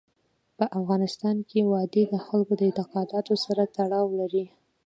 په افغانستان کې وادي د خلکو د اعتقاداتو سره تړاو لري.